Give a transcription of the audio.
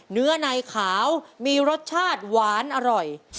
เนื้อในขาวมีรสชาติหวานอร่อย